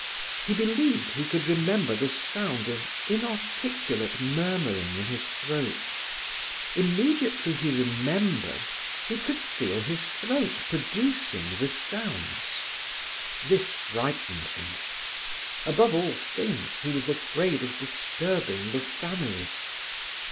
He believed he could remember the sound of inarticulate murmuring in his throat. Immediately he remembered, he could feel his throat producing the sounds. This frightened him. Above all things, he was afraid of disturbing the family.